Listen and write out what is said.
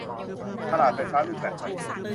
ตลาดไฟฟ้ารูปแบบใหม่